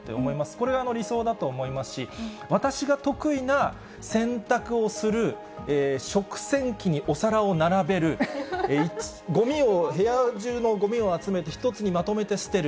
これは理想だと思いますし、私が得意な洗濯をする、食洗機にお皿を並べる、ごみを、部屋中のごみを集めて一つにまとめて捨てる。